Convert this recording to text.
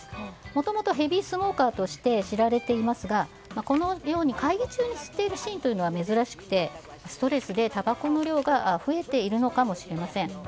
もともとヘビースモーカーとして知られていますがこのように会議中に吸っているシーンというのは珍しくてストレスでたばこの量が増えているのかもしれません。